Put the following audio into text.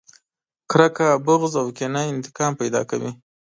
کرکه، بغض او کينه انتقام پیدا کوي.